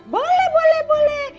boleh boleh boleh